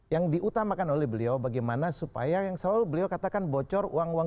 yang diutamakan oleh beliau bagaimana supaya yang selalu beliau katakan bocor uang uang